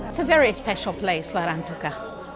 itu tempat yang sangat istimewa larang tuka